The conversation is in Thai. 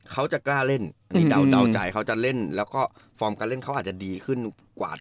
เขาจะกล้าเล่นอันนี้เดาใจเขาจะเล่นแล้วก็ฟอร์มการเล่นเขาอาจจะดีขึ้นกว่า